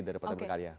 dari partai berkarya